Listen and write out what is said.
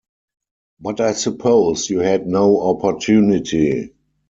But I suppose you had no opportunity.